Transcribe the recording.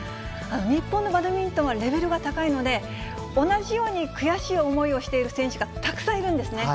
日本のバドミントンはレベルが高いので、同じように悔しい思いをしている選手がたくさんいるんですね。